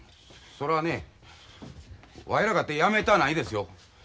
そらねわいらかてやめたないですよ。